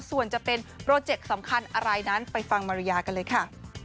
ส่วนจะเป็นโปรเจกต์สำคัญอะไรนั้นไปฟังมาริยากันเลยค่ะ